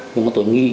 nhưng mà tôi nghĩ